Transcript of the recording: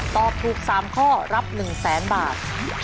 ตอบถูก๓ข้อรับ๑๐๐๐๐๐บาท